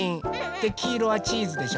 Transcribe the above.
できいろはチーズでしょ。